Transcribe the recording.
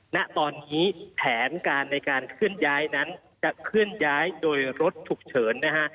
ณตอนนี้แผนการในการเคลื่อนย้ายนั้นจะเคลื่อนย้ายโดยรถฉุกเฉินนะฮะ